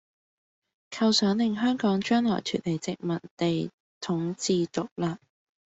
構想令香港將來脫離殖民地統治獨立